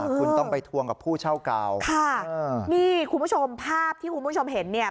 คุณต้องไปทวงกับผู้เช่าเก่าค่ะนี่คุณผู้ชมภาพที่คุณผู้ชมเห็นเนี่ย